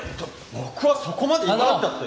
僕はそこまで言わなくたって。